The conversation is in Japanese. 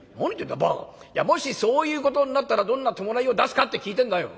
いやもしそういうことになったらどんな葬式を出すかって聞いてんだよ」。